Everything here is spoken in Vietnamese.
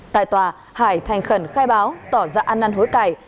tại tòa hải thành khẩn khai báo tỏ ra an năn hối cải